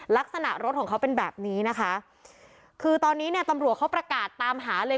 ลักษณะรถของเขาเป็นแบบนี้นะคะคือตอนนี้เนี่ยตำรวจเขาประกาศตามหาเลย